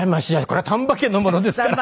これは丹波家のものですから。